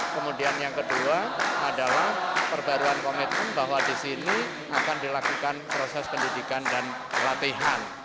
kemudian yang kedua adalah perbaruan komitmen bahwa di sini akan dilakukan proses pendidikan dan pelatihan